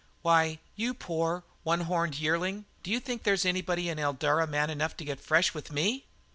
Why, you poor, one horned yearling, d'you think there's anybody in Eldara man enough to get fresh with me?"